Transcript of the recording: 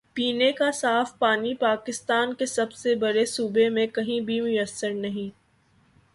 پینے کا صاف پانی پاکستان کے سب سے بڑے صوبے میں کہیں بھی میسر نہیں۔